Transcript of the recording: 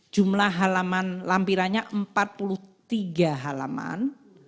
jumlah halaman lampirannya empat puluh tiga halaman